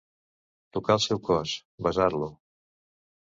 Tocar el seu cos. Besar-lo...